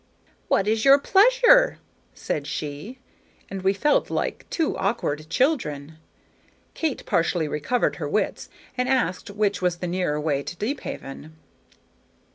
"What is your pleasure?" said she; and we felt like two awkward children. Kate partially recovered her wits, and asked which was the nearer way to Deephaven.